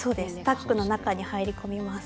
タックの中に入り込みます。